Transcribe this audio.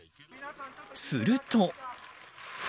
すると。